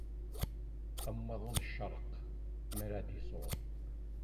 Am waḍu n ccerq mi ara d-isuḍ.